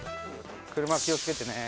車気を付けてね。